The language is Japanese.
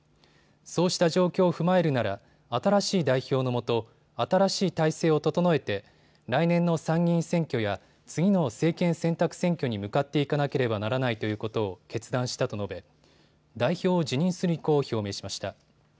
そうした状況を踏まえるなら新しい代表のもと新しい体制を整えて来年の参議院選挙や次の政権選択選挙に向かっていかなければならないということを決断したと述べ代表を辞任する意向を表明しました。